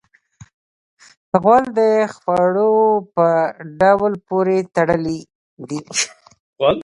غول د خوړو په ډول پورې تړلی دی.